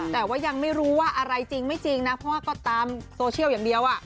แต่ว่ายังไม่รู้ว่าอะไรจริงไม่จริงนะเพราะว่าก็ตามโซเชียลอย่างเดียว